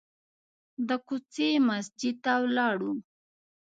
د کوڅې مسجد ته ولاړو.